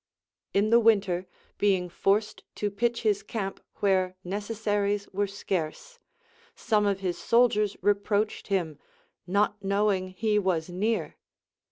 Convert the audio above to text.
In the winter being forced to pitch his camp where neces saries were scarce, some of his soldiers reproached him, not knowing he Avas near.